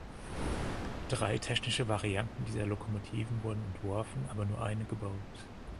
Drei technische Varianten dieser Lokomotiven wurden entworfen, aber nur eine gebaut.